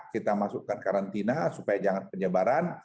kita masukkan karantina supaya jangan penyebaran